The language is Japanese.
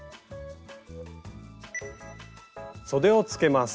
そでをつけます。